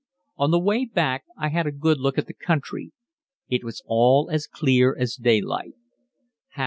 On the way back I had a good look at the country. It was all as clear as daylight.